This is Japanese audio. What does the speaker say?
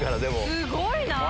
すごいなぁ！